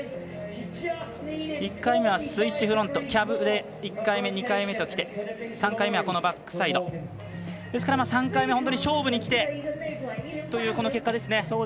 １回目はスイッチフロントキャブで１回目、２回目ときて３回目はバックサイドですから３回目勝負にきてという結果です。